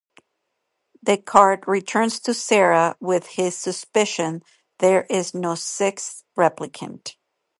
Deckard returns to Sarah with his suspicion: there is "no" sixth replicant.